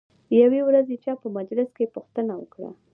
یوې ورځې چا په مجلس کې پوښتنه وکړه.